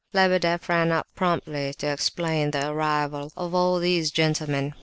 Lebedeff ran up promptly to explain the arrival of all these gentlemen.